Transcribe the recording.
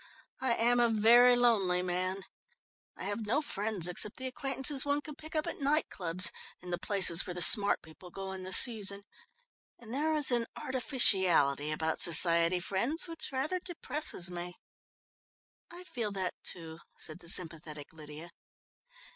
"I am a very lonely man I have no friends except the acquaintances one can pick up at night clubs, and the places where the smart people go in the season, and there is an artificiality about society friends which rather depresses me." "I feel that, too," said the sympathetic Lydia.